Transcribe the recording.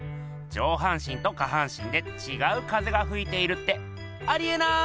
上半身と下半身でちがう風がふいているってありえない！